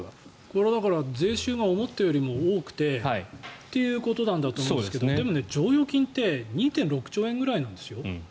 これはだから税収が思ったよりも多くてということなんだと思いますがだけど、剰余金って２．６兆円ぐらいなんですよ。